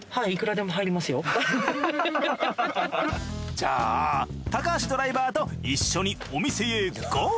じゃあ高橋ドライバーと一緒にお店へゴー！